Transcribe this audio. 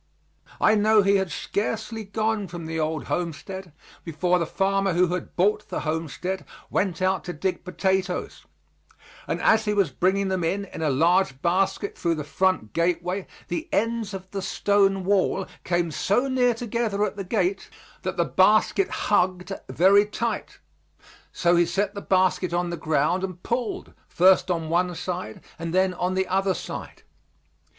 I know he had scarcely gone from the old homestead before the farmer who had bought the homestead went out to dig potatoes, and as he was bringing them in in a large basket through the front gateway, the ends of the stone wall came so near together at the gate that the basket hugged very tight. So he set the basket on the ground and pulled, first on one side and then on the other side.